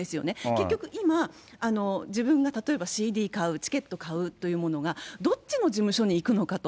結局今、自分が例えばＣＤ買う、チケット買うというものが、どっちの事務所にいくのかと。